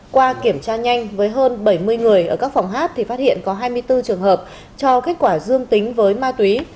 qua kiểm tra nhanh với hơn bảy mươi người ở các phòng hát thì phát hiện có hai mươi bốn trường hợp cho kết quả dương tính với ma túy